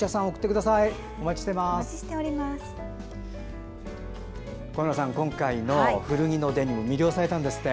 小村さん小村さん、今回の古着のデニム魅了されたんですって？